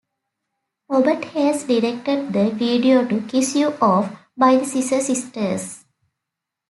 Robert Hales directed the video to "Kiss You Off" by the Scissor Sisters.